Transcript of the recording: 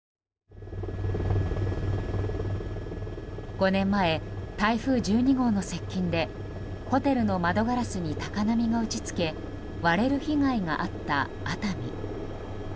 ５年前、台風１２号の接近でホテルの窓ガラスに高波が打ち付け割れる被害があった熱海。